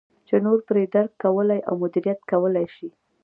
چې نور پرې درک کولای او مدیریت کولای شي.